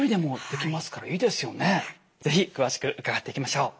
是非詳しく伺っていきましょう。